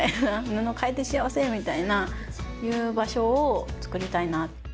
布買えて幸せみたいな場所を作りたいな。